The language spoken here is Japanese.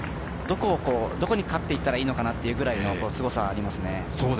どこに勝っていったらいいのかっていうくらいすごさがありますね。